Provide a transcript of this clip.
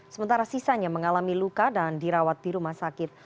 sementara sisanya mengalami luka dan dirawat di rumah sakit